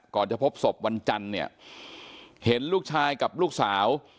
จะพบศพวันจันทร์เนี่ยเห็นลูกชายกับลูกสาว